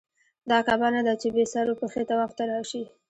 دا کعبه نه ده چې بې سر و پښې طواف ته راشې.